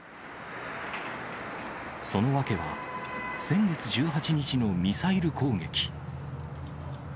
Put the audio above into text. その訳は、先月１８日のミサイル攻撃。